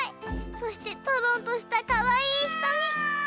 そしてとろんとしたかわいいひとみ！